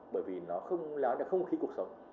bởi vì nó không nói là không khí cuộc sống